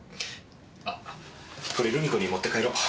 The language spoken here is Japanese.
あっこれルミ子に持って帰ろう。